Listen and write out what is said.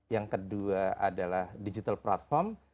yang kedua adalah digital platform